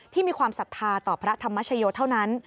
มีความศรัทธาต่อพระธรรมชโยเท่านั้น